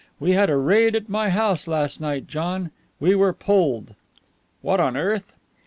We had a raid at my house last night, John. We were pulled." "What on earth